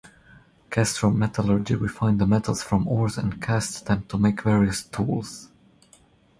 Castro metallurgy refined the metals from ores and cast them to make various tools.